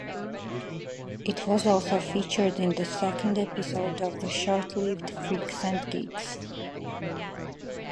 It was also featured in the second episode of the short-lived "Freaks and Geeks".